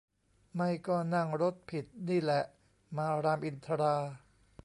ไม่ก็นั่งรถผิดนี่แหละ มารามอินทรา !